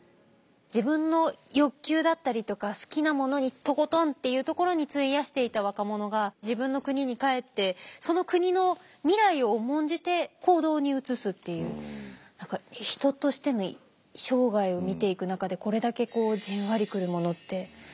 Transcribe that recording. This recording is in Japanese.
自分の欲求だったりとか好きなものにとことんっていうところに費やしていた若者が自分の国に帰って何か人としての生涯を見ていく中でこれだけじんわりくるものってありますね。